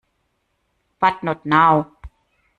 But not now.